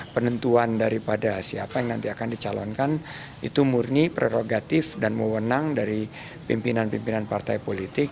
penentuan daripada siapa yang nanti akan dicalonkan itu murni prerogatif dan mewenang dari pimpinan pimpinan partai politik